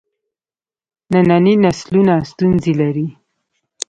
ننني نسلونه ستونزې لري.